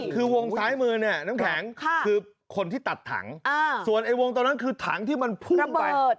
คือวงซ้ายมือเนี่ยน้ำแข็งคือคนที่ตัดถังส่วนไอ้วงตรงนั้นคือถังที่มันพุ่งไป